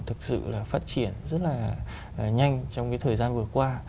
thực sự là phát triển rất là nhanh trong cái thời gian vừa qua